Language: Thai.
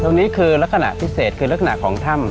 ตรงนี้คือลักษณะพิเศษคือลักษณะของถ้ำ